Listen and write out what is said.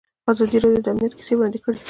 ازادي راډیو د امنیت کیسې وړاندې کړي.